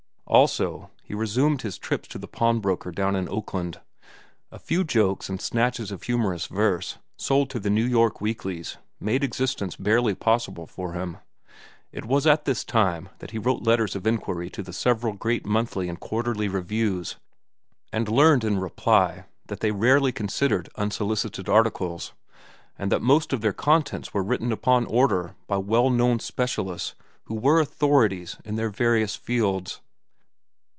Also, he resumed his trips to the pawn broker down in Oakland. A few jokes and snatches of humorous verse, sold to the New York weeklies, made existence barely possible for him. It was at this time that he wrote letters of inquiry to the several great monthly and quarterly reviews, and learned in reply that they rarely considered unsolicited articles, and that most of their contents were written upon order by well known specialists who were authorities in their various fields.